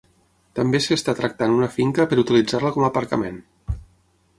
També s’està tractant una finca per utilitzar-la com a aparcament.